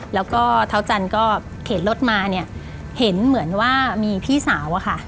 แล้วก็เท้าจันเข็นรถมาเห็นเหมือนว่ามีพี่สาวค่ะ